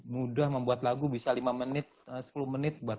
mudah membuat lagu bisa lima menit sepuluh menit